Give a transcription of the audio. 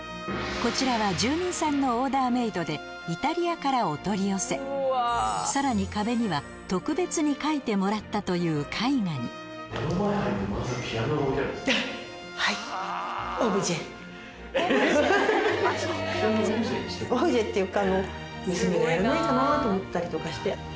こちらは住人さんのオーダーメードでイタリアからお取り寄せさらに壁には特別に描いてもらったという絵画にオブジェっていうか。